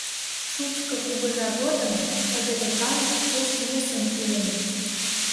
Шучко кугыжа годым тыгыде калык пеш йӧсын илен.